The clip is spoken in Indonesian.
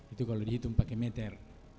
itu kalau dihitung pakai meter